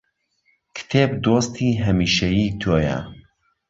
کتێب دۆستی هەمیشەیی تۆیە